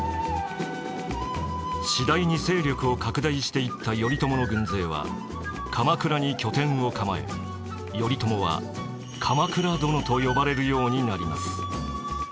次第に勢力を拡大していった頼朝の軍勢は鎌倉に拠点を構え頼朝は鎌倉殿と呼ばれるようになります。